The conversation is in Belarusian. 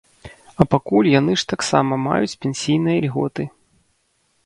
А пакуль яны ж таксама маюць пенсійныя ільготы.